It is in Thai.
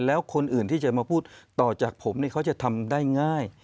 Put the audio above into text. แล้วคนอื่นที่จะมาพูดต่อจากผมเขาจะทำได้ง่าย